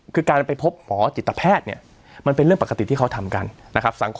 คือการไปพบหมอจิตแพทย์เนี่ยมันเป็นเรื่องปกติที่เขาทำกันนะครับ